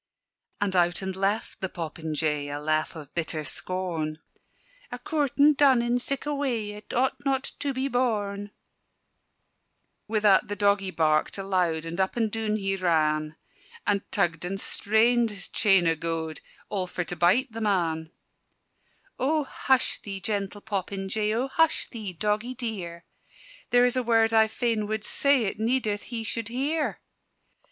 And out and laughed the popinjay, A laugh of bitter scorn: "A coortin' done in sic' a way, It ought not to be borne!" [Illustration: "AND OUT AND LAUGHED THE POPINJAY"] Wi' that the doggie barked aloud, And up and doon he ran, And tugged and strained his chain o' gowd, All for to bite the man. "O hush thee, gentle popinjay! O hush thee, doggie dear! There is a word I fain wad say, It needeth he should hear!"